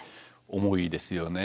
重いですよね。